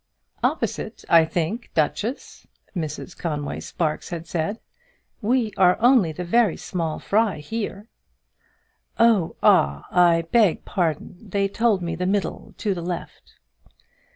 "Opposite, I think, duchess," Mrs Conway Sparkes had said. "We are only the small fry here." "Oh, ah; I beg pardon. They told me the middle, to the left."